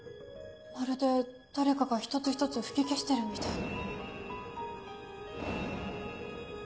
まるで誰かが一つ一つ吹き消してるみたい。